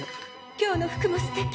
「今日の服もすてき！